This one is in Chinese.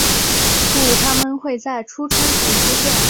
故它们会在初春时出现。